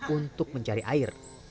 untuk mencari air